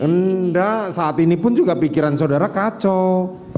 enggak saat ini pun juga pikiran saudara kacau